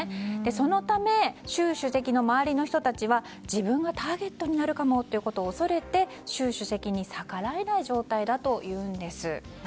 そのため習主席の周りの人たちは自分がターゲットになるかもということを恐れて習主席に逆らえない状態だというんです。